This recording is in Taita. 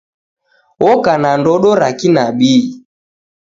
Oka na ndodo ra kinabii.